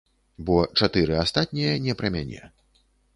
Бо чатыры астатнія не пра мяне.